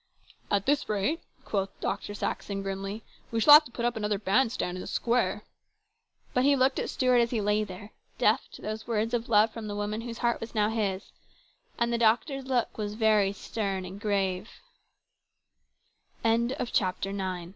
" At this rate," quoth Dr. Saxon grimly, " we shall have to put up another band stand in the square !" But he looked at Stuart as he lay there, deaf to all those words of love from the woman whose heart was now his, and the doctor's look was very stern a